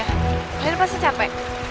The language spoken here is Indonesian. kalian pasti capek